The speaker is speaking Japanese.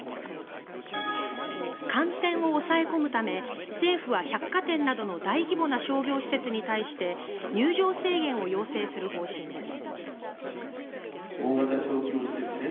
感染を抑え込むため政府は百貨店などの大規模な商業施設に対して入場制限を要請する方針です。